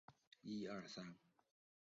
绍平济纽是巴西巴拉那州的一个市镇。